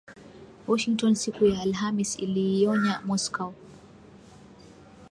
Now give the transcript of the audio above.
Washington siku ya Alhamis iliionya Moscow.